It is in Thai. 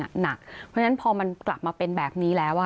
เพราะฉะนั้นพอมันกลับมาเป็นแบบนี้แล้ว